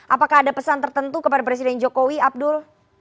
apakah ada pesan tertentu kepada presiden jokowi abdul